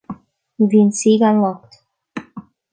Ní bhíonn saoi gan locht